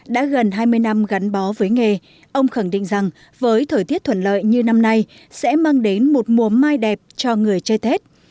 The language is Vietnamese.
đã gần hai mươi năm gắn bó với nghề ông khẳng định rằng với thời tiết thuận lợi như năm nay sẽ mang đến một mùa mai đẹp cho người chơi tết